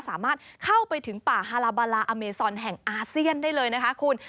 สามารถเข้าไปถึงป่าฮาลาบาลาอเมซอนแห่งอาเซียนได้เลยนะคะคุณ